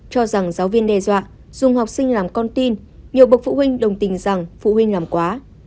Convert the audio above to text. cho rằng giáo viên đe dọa dùng học sinh làm con tin nhiều bậc phụ huynh đồng tình rằng phụ huynh làm quá